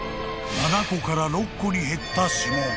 ［７個から６個に減った指紋］